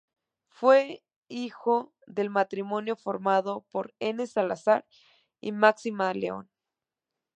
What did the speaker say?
Fue hijo del matrimonio formado por N. Salazar y Máxima León.